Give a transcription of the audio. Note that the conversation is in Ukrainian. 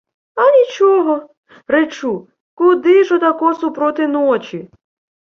— А нічого. Речу: куди ж отако супроти ночі?